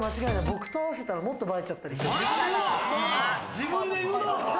僕と合わせたらもっと映えちゃったりして。